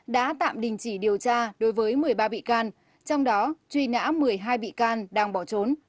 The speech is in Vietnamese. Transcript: đã tạm đình chỉ điều tra đối với một mươi ba bị can trong đó truy nã một mươi hai bị can đang bỏ trốn